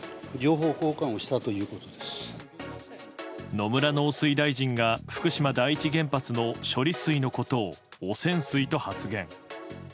野村農水大臣が福島第一原発の処理水のことを汚染水と発言。